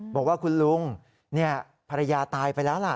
บอกว่าคุณลุงภรรยาตายไปแล้วล่ะ